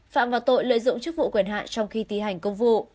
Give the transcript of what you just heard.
phạm vào tội lợi dụng chức vụ quyền hạn trong khi thi hành công vụ